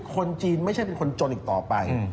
คนจีนไม่ใช่เป็นคนจนอีกต่อไป